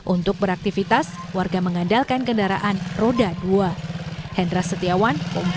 untuk beraktivitas warga mengandalkan kendaraan roda dua